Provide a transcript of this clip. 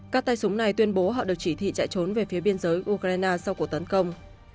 các tay súng này tuyên bố họ được chỉ thị chạy trốn về phía biên giới ukraine sau cuộc tấn công